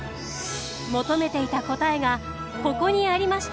求めていた答えがここにありました。